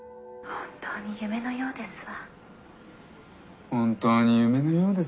本当に夢のようですわ。